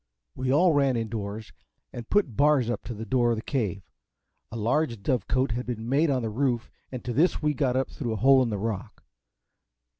We all ran in doors, and put bars up to the door of the Cave. A large dove cote had been made on the roof, and to this we got up through a hole in the rock.